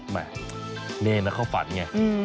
ไม่นี่เองนักข้าวฝันไง